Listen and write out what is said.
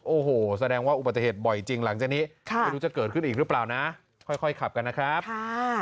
โอ้โหแสดงว่าอุบัติเหตุบ่อยจริงหลังจากนี้ค่ะไม่รู้จะเกิดขึ้นอีกหรือเปล่านะค่อยขับกันนะครับค่ะ